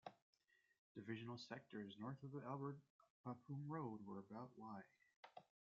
Divisional sectors north of the Albert-Bapaume road were about wide.